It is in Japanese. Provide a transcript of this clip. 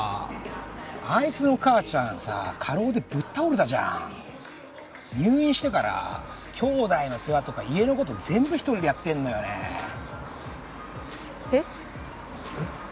あいつの母ちゃんさ過労でぶっ倒れたじゃん入院してから弟妹の世話とか家のこと全部１人でやってんのよねえっ？えっ？